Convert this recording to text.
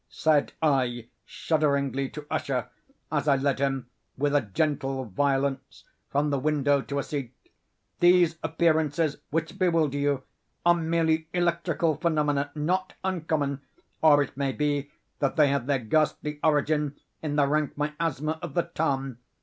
said I, shudderingly, to Usher, as I led him, with a gentle violence, from the window to a seat. "These appearances, which bewilder you, are merely electrical phenomena not uncommon—or it may be that they have their ghastly origin in the rank miasma of the tarn.